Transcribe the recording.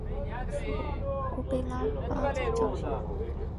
属乌贝拉巴总教区。